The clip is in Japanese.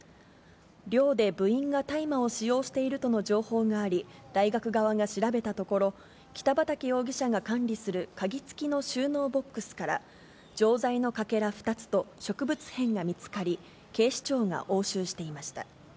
寮で部員が大麻を使用しているとの情報があり、大学側が調べたところ、北畠容疑者が管理する鍵付きの収納ボックスから、錠剤のかけら２つと植物片が見つかり、警視庁が押収していました。